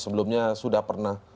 sebelumnya sudah pernah